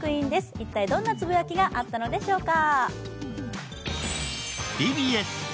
一体どんなつぶやきがあったのでしょうか。